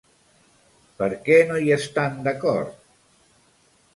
Per què no hi estan d'acord?